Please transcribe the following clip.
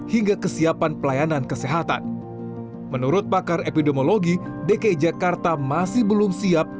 hingga kesiapan pelayanan kesehatan menurut pakar epidemiologi dki jakarta masih belum siap